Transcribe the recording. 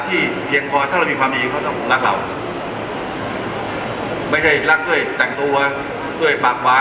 ที่เเพียงพอเขาต้องรับรับเรา